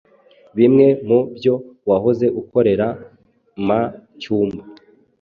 bimwe mu byo wahoze ukorera m cyumba